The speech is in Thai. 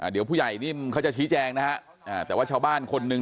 เดี๋ยวผู้ใหญ่นิ่มเขาจะชี้แจงนะฮะแต่ว่าชาวบ้านคนหนึ่ง